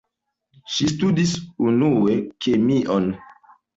Ŝi studis unue kemion.